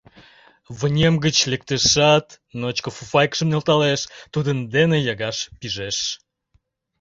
Вынем гыч лектешат, ночко фуфайкыжым нӧлталеш, тудын дене йыгаш пижеш.